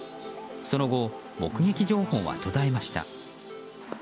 その後、目撃情報は途絶えました。